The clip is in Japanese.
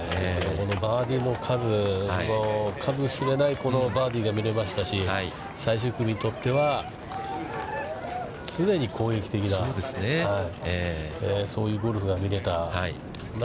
このバーディーの数、数しれないバーディーが見れましたし最終組にとっては常に攻撃的な、そういうゴルフが見れた。